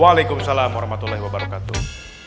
waalaikumsalam warahmatullahi wabarakatuh